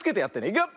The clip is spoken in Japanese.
いくよ！